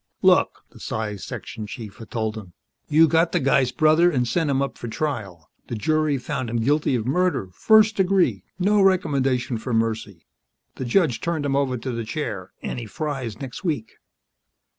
"Look," the Psi Section chief had told him, "you got the guy's brother and sent him up for trial. The jury found him guilty of murder, first degree, no recommendation for mercy. The judge turned him over to the chair, and he fries next week."